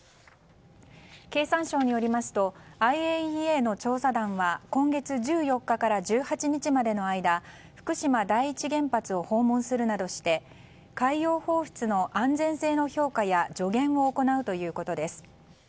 経産省によりますとＩＡＥＡの調査団は今月１４日から１８日までの間福島第一原発を訪問するなどして海洋放出の安全性の評価や助言を行うということです。